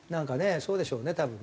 そうでしょうね多分ね。